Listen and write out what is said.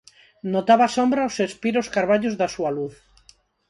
Notaba a sombra ó se espir os carballos da súa luz.